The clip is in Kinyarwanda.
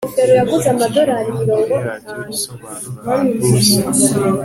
Ukurikije imyumvire yacyo isobanura ahantu hose